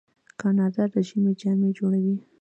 کاناډا د ژمي جامې جوړوي.